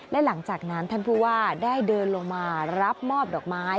และหลังจากนั้นท่านผู้ว่าได้เดินลงมารับมอบดอกไม้